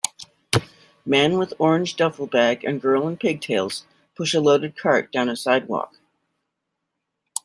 Man with orange duffel bag and girl in pigtails push a loaded cart down a sidewalk.